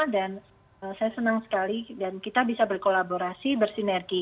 dan saya senang sekali dan kita bisa berkolaborasi bersinergi